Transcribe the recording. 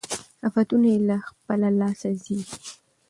آفتونه یې له خپله لاسه زېږي